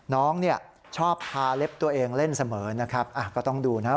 น้องเนี่ยชอบทาเล็บตัวเองเล่นเสมอนะครับก็ต้องดูนะครับ